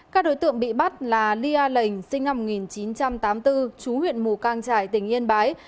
các đối tượng bị bắt là lia lình sinh năm một nghìn chín trăm tám mươi bốn chú huyện mù cang trải tỉnh yên bái